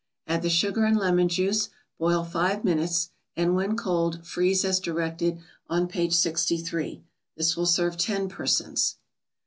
Add the sugar and lemon juice, boil five minutes, and, when cold, freeze as directed on page 63. This will serve ten persons.